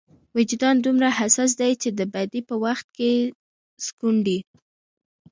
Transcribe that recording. وجدان دومره حساس دی چې بدۍ په وخت کې سکونډي.